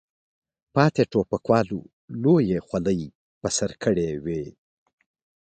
پاتې ټوپکوالو لویې خولۍ په سر کړې وې.